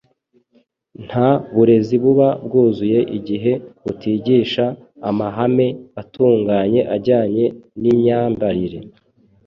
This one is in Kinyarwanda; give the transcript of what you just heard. Nta burezi buba bwuzuye igihe butigisha amahame atunganye ajyanye n’imyambarire.